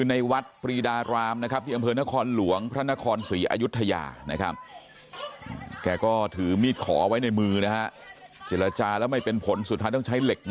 เอาตัวป้าเรย์ไรไปหน่อย